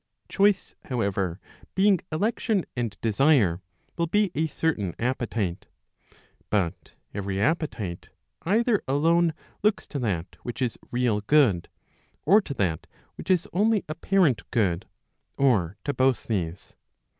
Choice, however, being election and desire, will be a certain appetite. But every appetite either alone looks to that which is real good, or to that which is only apparent good, or to both these.